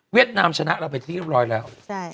นามชนะเราไปที่เรียบร้อยแล้ว